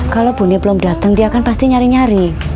kalau bune belum datang dia akan pasti nyari nyari